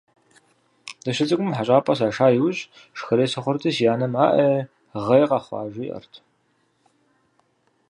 Дыщыцӏыкӏум хьэщӏапӏэ саша нэужь шхэрей сыхъурти, си анэм «Аӏей, гъей къэхъуа?», жиӏэрт.